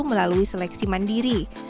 melalui seleksi mandiri